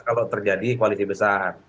kalau terjadi koalisi besar